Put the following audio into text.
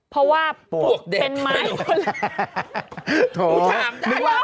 เพราะว่าเป็นไม้ปลวกเด็ก